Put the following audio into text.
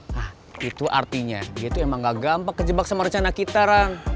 hah itu artinya dia itu emang gak gampang kejebak sama rencana kita rang